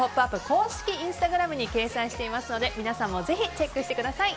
公式インスタグラムに掲載していますので皆さんもぜひチェックしてください。